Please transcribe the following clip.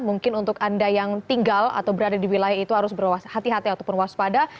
mungkin untuk anda yang tinggal atau berada di wilayah itu harus berhati hati ataupun waspada